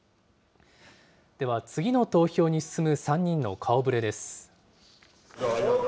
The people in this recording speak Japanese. では次の投票に進む３人の顔ぶれです。